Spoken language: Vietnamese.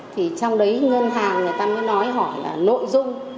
thì trong đấy ngân hàng người ta mới nói hỏi là nội dung